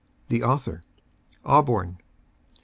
THE AUTHOR. ADBORM, N.